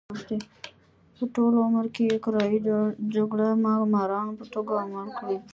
په ټول عمر کې یې کرایي جګړه مارانو په توګه عمل کړی.